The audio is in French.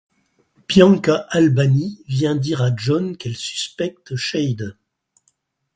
Bianca Albany vient dire à John qu’elle suspecte Shade.